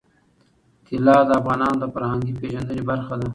طلا د افغانانو د فرهنګي پیژندنې برخه ده.